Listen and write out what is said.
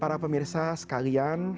para pemirsa sekalian